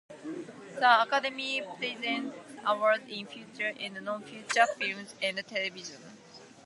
The Academy presents awards in feature and non-feature films, and television.